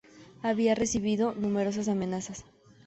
Había recibido numerosas amenazas.